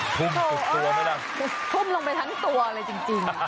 ทุ่มทุกตัวไหมล่ะทุ่มลงไปทั้งตัวเลยจริง